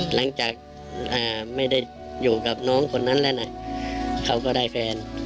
หลังจากไม่ได้อยู่กับน้องคนนั้นแล้วนะเขาก็ได้แฟน